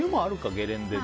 ゲレンデで。